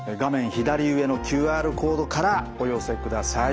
左上のＱＲコードからお寄せください。